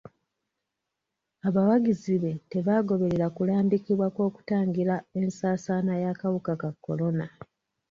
Abawagizi be tebaagoberera kulambikibwa kw'okutangira ensaasaana y'akawuka ka kolona.